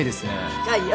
深いよ。